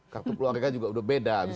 kartu keluarga juga udah beda